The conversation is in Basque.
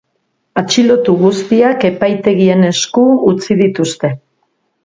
Atxilotu guztiak epaitegien esku utzi dituzte.